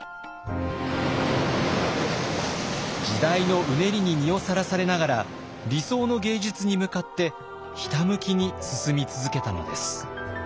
時代のうねりに身をさらされながら理想の芸術に向かってひたむきに進み続けたのです。